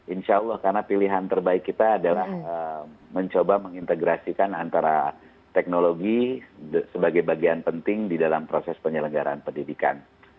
insya allah karena pilihan terbaik kita adalah mencoba mengintegrasikan antara teknologi sebagai bagian penting di dalam proses penyelenggaraan pendidikan